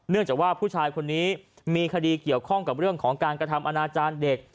จากว่าผู้ชายคนนี้มีคดีเกี่ยวข้องกับเรื่องของการกระทำอนาจารย์เด็ก